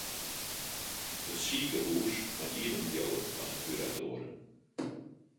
It sikehús mei iepen bliuwe fan de kuratoaren.